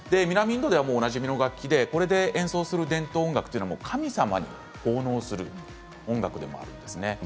インドではおなじみの楽器でこれで演奏する伝統音楽は神様に奉納する音楽でもあるんですね。